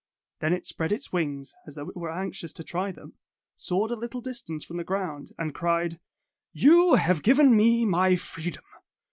Then it spread its wings as though it were anxious to try them, soared a little distance from the ground, and cried: ''You have given me my freedom.